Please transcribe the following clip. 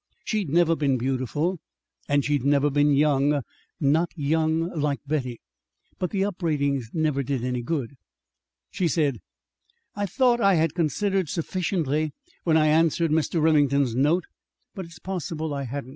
She'd never been beautiful, and she'd never been young not young like Betty. But the upbraidings never did any good. She said: "I thought I had considered sufficiently when I answered Mr. Remington's note. But it's possible I hadn't.